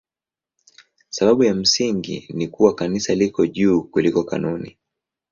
Sababu ya msingi ni kuwa Kanisa liko juu kuliko kanuni.